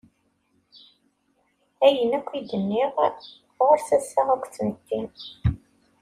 Ayen yakk i d-nniɣ, ɣur-s assaɣ akked tmetti.